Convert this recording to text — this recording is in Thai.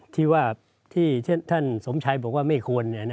ที่ว่าที่ท่านสมชัยบอกว่าไม่ควร